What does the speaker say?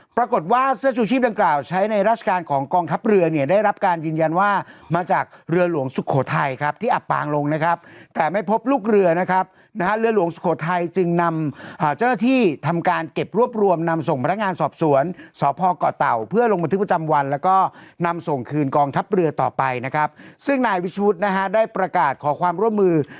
ปรากฏว่าเสื้อชูชีพดังกล่าวใช้ในราชการของกองทัพเรือ